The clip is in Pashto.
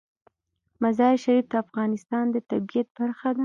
مزارشریف د افغانستان د طبیعت برخه ده.